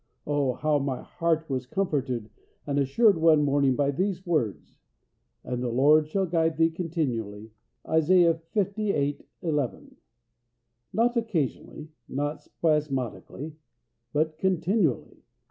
Oh! how my heart was comforted and assured one morning by these words: "And the Lord shall guide thee continually" (Isaiah lviii. 11). Not occasionally, not spasmodically, but "continually."